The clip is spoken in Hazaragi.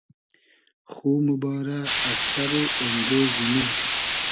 خو موبارۂ از سئر و اۉنگې زیمی